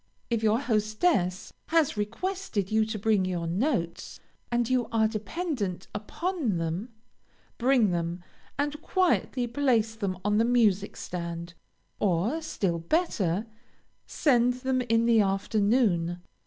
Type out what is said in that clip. If your hostess has requested you to bring your notes, and you are dependent upon them, bring them, and quietly place them on the music stand, or, still better, send them in the afternoon.